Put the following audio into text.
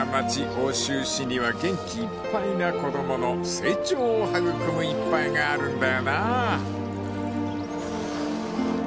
奥州市には元気いっぱいな子供の成長を育む一杯があるんだよなあ］